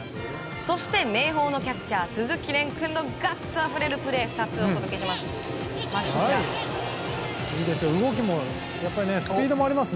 そして、明豊のキャッチャー鈴木蓮君のガッツあふれるプレーを２つお届けします。